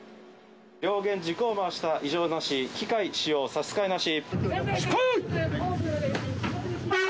両舷軸を回した異常なし、機械使用、差しつかえなし。